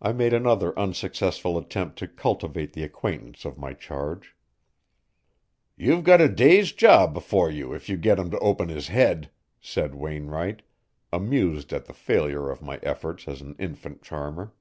I made another unsuccessful attempt to cultivate the acquaintance of my charge. "You've got a day's job before you if you get him to open his head," said Wainwright, amused at the failure of my efforts as an infant charmer.